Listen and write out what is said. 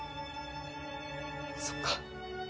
そっか。